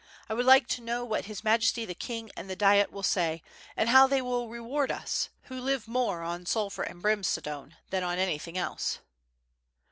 I would like to know what his Majesty the King and the Diet will say, and how they will reward us, who live more on sulphur and brimstone than on anything else."